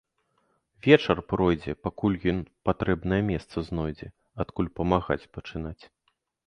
Вечар пройдзе, пакуль ён патрэбнае месца знойдзе, адкуль памагаць пачынаць.